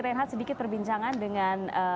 renhat sedikit perbincangan dengan